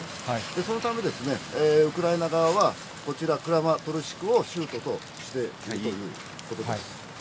そのため、ウクライナ側はこちら、クラマトルシクを州都としているということです。